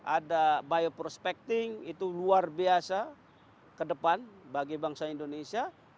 ada bioprospecting itu luar biasa ke depan bagi bangsa indonesia